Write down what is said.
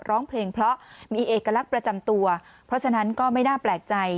ร้องเพลงเพราะมีเอกลักษณ์ประจำตัวเพราะฉะนั้นก็ไม่น่าแปลกใจ